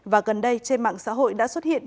và gần đây trên mạng xã hội đã xuất hiện